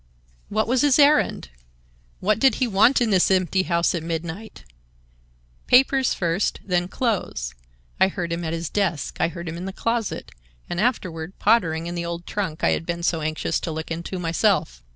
"What was his errand? What did he want in this empty house at midnight? Papers first, and then clothes. I heard him at his desk, I heard him in the closet, and afterward pottering in the old trunk I had been so anxious to look into myself.